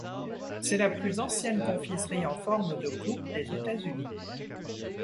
C'est la plus ancienne confiserie en forme de coupe des États-Unis.